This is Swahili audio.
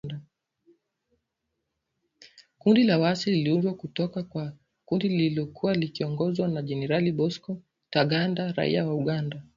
Kundi la waasi liliundwa kutoka kwa kundi lililokuwa likiongozwa na Generali Bosco Ntaganda raia wa Uganda